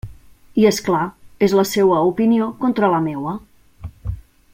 I és clar, és la seua opinió contra la meua.